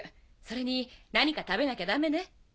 それに何か食べなきゃダメね。